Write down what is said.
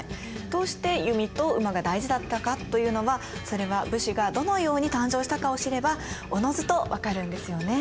どうして弓と馬が大事だったかというのはそれは武士がどのように誕生したかを知ればおのずと分かるんですよね？